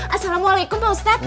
assalamualaikum pak ustadz